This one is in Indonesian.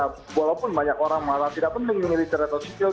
karena walaupun banyak orang marah tidak penting militer atau sipil